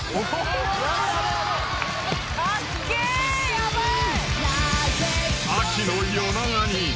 ヤバい。